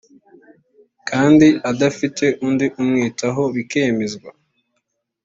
kandi adafite undi umwitaho bikemezwa